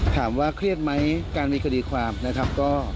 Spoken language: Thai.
ถามว่าเครียดไหมการมีคดีความนะครับ